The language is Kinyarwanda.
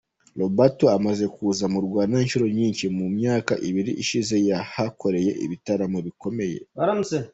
Roberto amaze kuza mu Rwanda inshuro nyinshi, mu myaka ibiri ishize yahakoreye ibitaramo bikomeye.